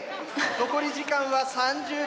残り時間は３０秒ほど。